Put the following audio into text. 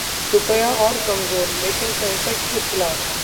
रुपया और कमजोर, लेकिन सेंसेक्स उछला